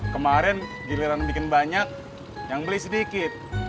kemarin giliran bikin banyak yang beli sedikit